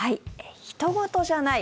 ひと事じゃない！